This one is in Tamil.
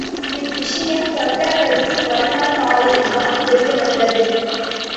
இவ்விஷயம் தொண்டர்களுக்கு மறுநாள் காலையில்தான் தெரியவந்தது.